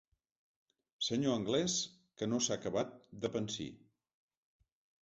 Senyor anglès que no s'ha acabat de pansir.